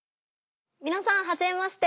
みなさんはじめまして。